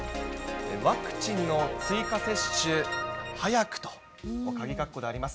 ワクチンの追加接種早くと、かぎかっこであります。